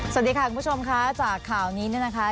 สวัสดีค่ะคุณผู้ชมค่ะจากข่าวนี้เนี่ยนะคะ